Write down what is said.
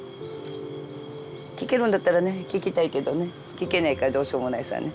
聞けるんだったらね聞きたいけどね聞けないからどうしようもないさね。